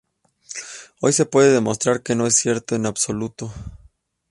Hoy se puede demostrar que no es cierto en absoluto.